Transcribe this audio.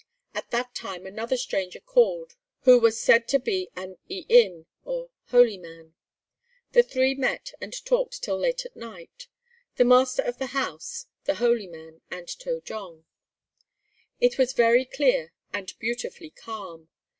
At that time another stranger called who was said to be an i in or "holy man." The three met and talked till late at night the master of the house, the "holy man" and To jong. It was very clear and beautifully calm.